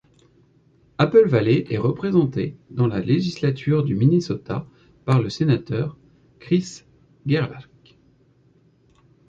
Apple Valley est représenté dans la législature du Minnesota par le sénateur Chris Gerlach.